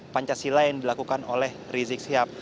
pancasila yang dilakukan oleh rizik sihab